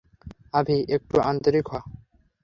আভি, একটু আন্তরিক হ্!